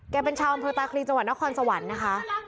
เป็นชาวอำเภอตาคลีจังหวัดนครสวรรค์นะคะ